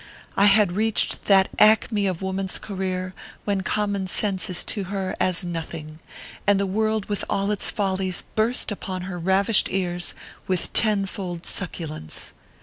I had reached that acme of woman s career when common sense is to her as nothing, and the world with all its follies bursts 70 ORPHEUS C. KERR PAPERS. upon her ravished ears with ten fold succulence.